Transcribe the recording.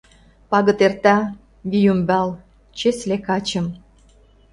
Пагыт эрта — вийӱмбал, чесле качым